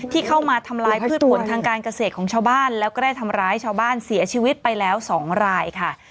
ที่เข้ามาทำลายพืชผลทางการเกษตรของชาวบ้านแล้วก็ได้ทำร้ายชาวบ้านเสียชีวิตไปแล้ว๒รายค่ะ